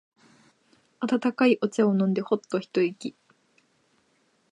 温かいお茶を飲んでホッと一息。